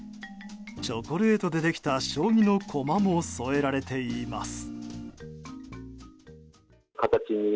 チョコレートでできた将棋の駒も添えられています。